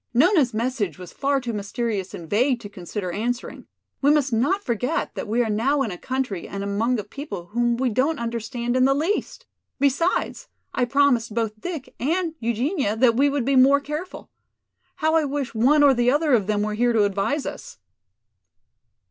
"Nona's message was far too mysterious and vague to consider answering. We must not forget that we are now in a country and among a people whom we don't understand in the least. Besides, I promised both Dick and Eugenia that we would be more careful. How I wish one or the other of them were here to advise us!"